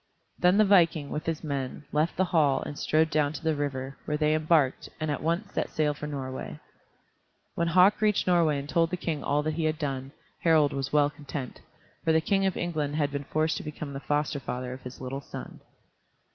Then the viking, with his men, left the hall and strode down to the river, where they embarked, and at once set sail for Norway. When Hauk reached Norway and told the King all that he had done, Harald was well content, for the King of England had been forced to become the foster father of his little son.